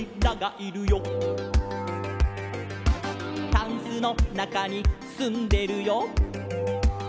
「タンスのなかにすんでるよ」